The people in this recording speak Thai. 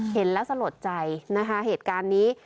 เห็นแล้วสลดใจนะคะเหตุการณ์นี้